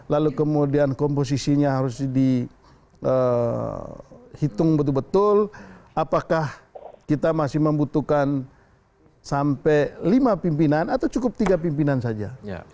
lalu kemudian komposisinya harus dihitung betul betul apakah kita masih membutuhkan sampai lima pimpinan atau cukup tiga pimpinan saja